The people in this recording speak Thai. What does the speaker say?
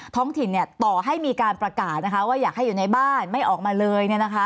ท้องถิ่นต่อให้มีการประกาศว่าอยากให้อยู่ในบ้านไม่ออกมาเลย